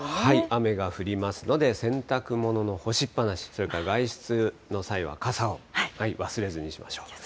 雨が降りますので、洗濯物の干しっ放し、それから外出の際は傘を忘れずにしましょう。